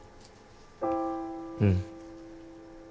うん。